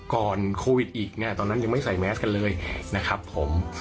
ก่อนโควิดอีกเนี่ยตอนนั้นยังไม่ใส่แมสกันเลยนะครับผม